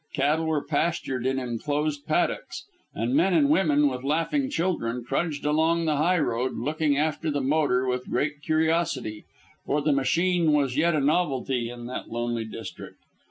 Cattle were pastured in enclosed paddocks, and men and women with laughing children trudged along the high road, looking after the motor with great curiosity, for the machine was yet a novelty in that lonely district.